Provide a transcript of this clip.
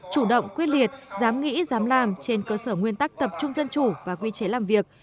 chủ động quyết liệt dám nghĩ dám làm trên cơ sở nguyên tắc tập trung dân chủ và quy chế làm việc